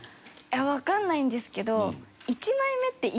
わかんないんですけど。